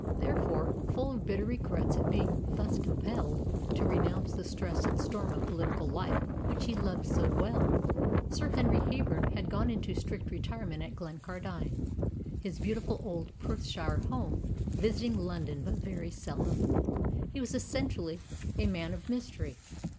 Therefore, full of bitter regrets at being thus compelled to renounce the stress and storm of political life which he loved so well, Sir Henry Heyburn had gone into strict retirement at Glencardine, his beautiful old Perthshire home, visiting London but very seldom. He was essentially a man of mystery.